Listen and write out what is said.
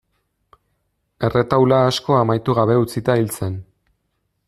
Erretaula asko amaitu gabe utzita hil zen.